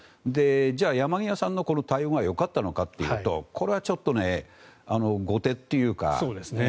じゃあ山際さんのこの対応がよかったのかというとこれはちょっと、後手というか。